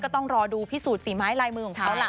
ต้องรอดูพิสูจนฝีไม้ลายมือของเขาล่ะ